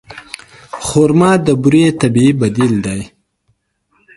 خرما د بوري طبیعي بدیل دی.